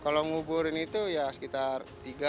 kalau ngubur ini itu ya sekitar tiga empat